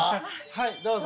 はいどうぞ。